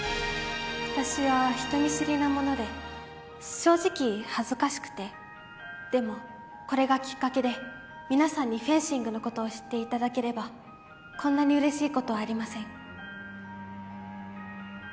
私は人見知りなもので正直恥ずかしくてでもこれがきっかけで皆さんにフェンシングのことを知っていただければこんなに嬉しいことはありません